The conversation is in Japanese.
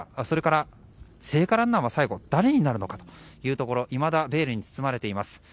それから聖火ランナーは最後誰になるのかというところいまだベールに包まれています。